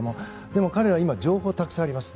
でも彼らは情報がたくさんあります。